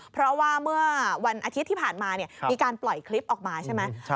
เพราะว่าเมื่อวันอาทิตย์ที่ผ่านมามีการปล่อยคลิปออกมาใช่ไหม